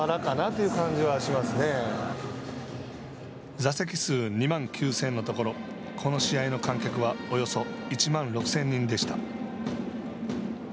座席数二万９０００のところこの試合の観客はおよそ１万６０００人でした。